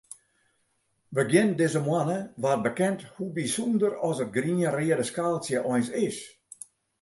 Begjin dizze moanne waard bekend hoe bysûnder as it grien-reade skaaltsje eins is.